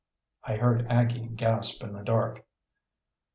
I heard Aggie gasp in the dark.